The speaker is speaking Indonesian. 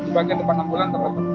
di bagian depan ambulans terlebih lebih